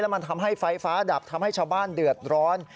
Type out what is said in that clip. มันทำให้ไฟฟ้าดับทำให้ชาวบ้านเดือดร้อน